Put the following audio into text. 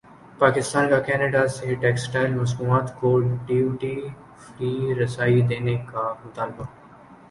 پاکستان کاکینیڈا سے ٹیکسٹائل مصنوعات کو ڈیوٹی فری رسائی دینے کامطالبہ